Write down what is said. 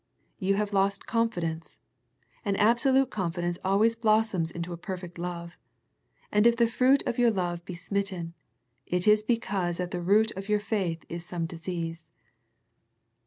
You have lost confidence. An absolute confidence always blossoms into a perfect love. And if the fruit of your love be smitten, it is because at the root of your faith is some disease.'